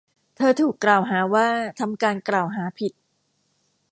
เธอถูกกล่าวหาว่าทำการกล่าวหาผิด